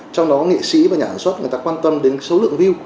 trong đó nghệ sĩ và nhà sản xuất người ta quan tâm đến số lượng view